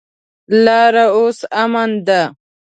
لاره اوس امن ده.